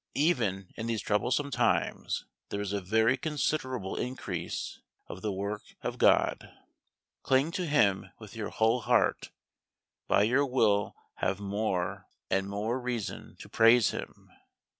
Even in these troublous times, there is a very considerable Increase of the Work of God. Cleave to Him with your whole heart, & you will have more & more reason to praise him.